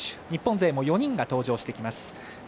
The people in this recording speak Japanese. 日本勢も４人が登場してきます。